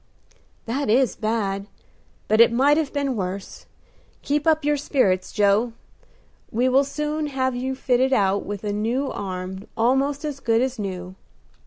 "That is bad, but it might have been worse. Keep up your spirits, Joe; and we will soon have you fitted out with a new arm almost as good as new."